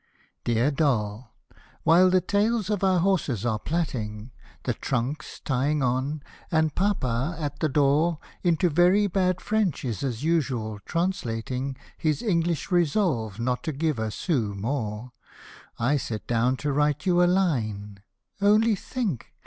Dear Doll, while the tails of our horses are plaiting, The trunks tying on, and Papa, at the door, Into very bad French is, as usual, translating His English resolve not to give a sou more, I sit down to write you a line — only think